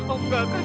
om gak akan lupa